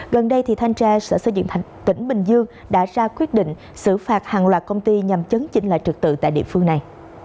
gần đây thanh tra sở xây dựng tỉnh bình dương đã ra quyết định xử phạt hàng loạt công ty nhằm chấn chỉnh lại trực tự tại địa phương này